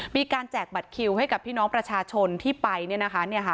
แจกบัตรคิวให้กับพี่น้องประชาชนที่ไปเนี่ยนะคะ